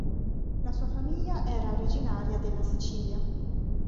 La sua famiglia era originaria della Sicilia.